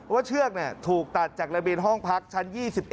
เชือกถูกตัดจากระเบียงห้องพักชั้น๒๑